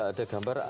ini ada gambar